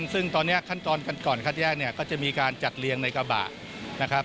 ซึ่งตอนนี้ขั้นตอนกันก่อนคัดแยกเนี่ยก็จะมีการจัดเรียงในกระบะนะครับ